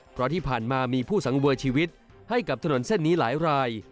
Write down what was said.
เพราะที่ผ่านมามีผู้สังเวยชีวิตให้กับถนนเส้นนี้หลายราย